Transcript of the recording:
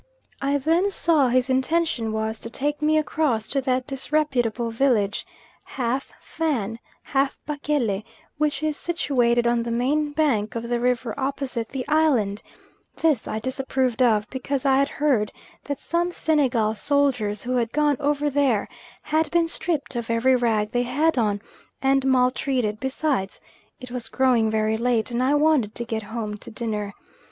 I then saw his intention was to take me across to that disreputable village, half Fan, half Bakele, which is situated on the main bank of the river opposite the island; this I disapproved of, because I had heard that some Senegal soldiers who had gone over there, had been stripped of every rag they had on, and maltreated; besides, it was growing very late, and I wanted to get home to dinner.